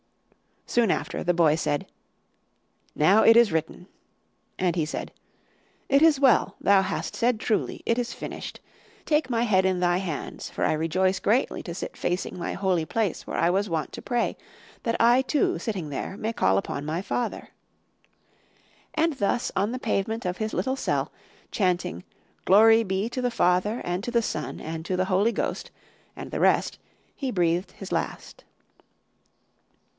Soon after, the boy said, 'Now it is written.' And he said, 'It is well, thou hast said truly, it is finished. Take my head in thy hands, for I rejoice greatly to sit facing my holy place where I was wont to pray, that I too, sitting there, may call upon my Father.' And thus on the pavement of his little cell, chanting 'Glory be to the Father, and to the Son, and to the Holy Ghost,' and the rest, he breathed his last.